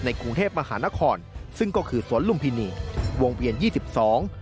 ในกรุงเทพมหานครซึ่งก็คือสวนลุ้มพินีวงเวียน๒๒